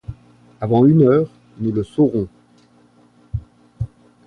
Avant une heure, nous le saurons.